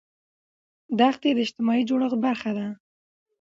دښتې د اجتماعي جوړښت برخه ده.